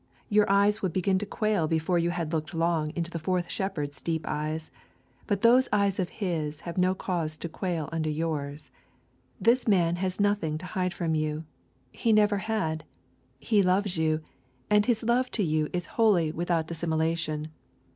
Your eyes would begin to quail before you had looked long into the fourth shepherd's deep eyes; but those eyes of his have no cause to quail under yours. This man has nothing to hide from you. He never had. He loves you, and his love to you is wholly without dissimulation.